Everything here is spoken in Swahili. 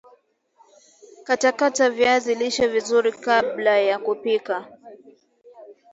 Katakata viazi lishe vizuri kabla ya kupika